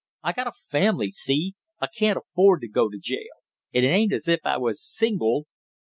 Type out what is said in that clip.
I got a family, see? I can't afford to go to jail, it ain't as if I was single!"